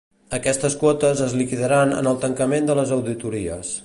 Aquestes quotes es liquidaran en el tancament de les auditories.